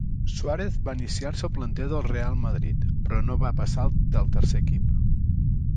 Suárez va iniciar-se al planter del Real Madrid, però no va passar del tercer equip.